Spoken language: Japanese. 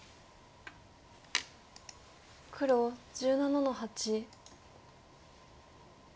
黒１７の八。